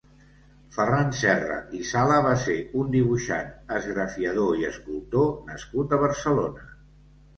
Ferran Serra i Sala va ser un dibuixant, esgrafiador i escultor nascut a Barcelona.